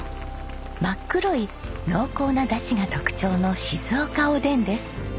真っ黒い濃厚なだしが特徴の静岡おでんです。